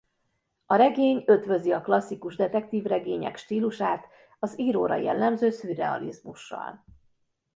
A regény ötvözi a klasszikus detektívregények stílusát az íróra jellemző szürrealizmussal.